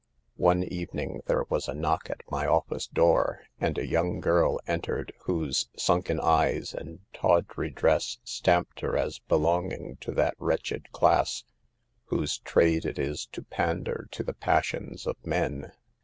" One evening there was a knock at my 144 SAVE THE GIKLS. office door, and a young girl entered whose sunken eyes and tawdry dress stamped her as belonging to that wretched class whose trade it is to pander to the! passions of men.